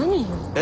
え？